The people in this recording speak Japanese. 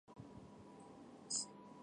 なあ